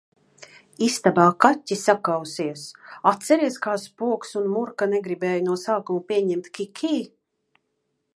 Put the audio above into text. Istabā kaķi sakausies! atceries, kā Spoks un Murka negribēja no sākuma pieņemt Kikī?...